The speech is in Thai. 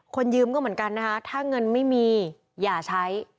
คนยืมก็เหมือนกันนะคะถ้าเงินไม่มีอย่าใช้